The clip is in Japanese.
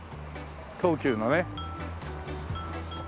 東急のね。